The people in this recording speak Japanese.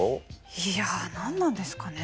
いや何なんですかね。